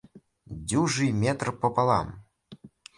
Дюжий метр пополам!